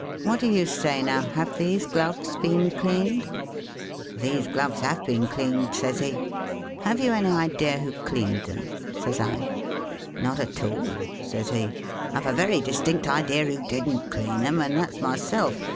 ' What do you say now ? Have these gloves been cleaned 1 '' These gloves have been cleaned,' says he. ' Have you any idea who cleaned them ?' says I. ' Not at all,' says he ;' I 've a very distinct idea who didn't clean 'em, and that 's myself.